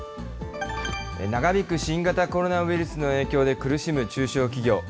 長引く新型コロナウイルスの影響で苦しむ中小企業。